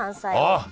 あっ！